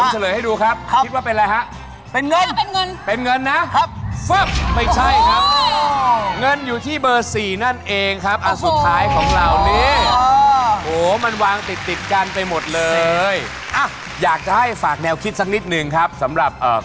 ชัวร์นะต้องเป็นเงินนะ